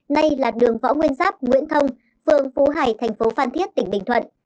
nay là đường võ nguyên giáp nguyễn thông phường phú hải thành phố phan thiết tỉnh bình thuận